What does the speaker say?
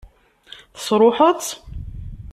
Tesṛuḥeḍ-tt?